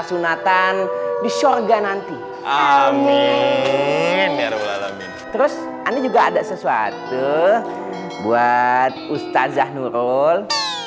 sunatan di syurga nanti amin terus anda juga ada sesuatu buat ustadz zahnurul